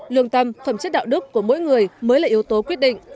lương tâm phẩm chất đạo đức của mỗi người mới là yếu tố quyết định